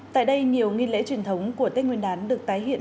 tại đây nhiều nghi lễ truyền thống của tết nguyên đán được tái hiện